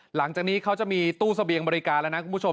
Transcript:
หลังจากนี้เขาจะมีตู้เสบียงบริการแล้วนะคุณผู้ชม